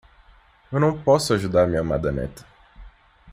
Eu não posso ajudar minha amada neta.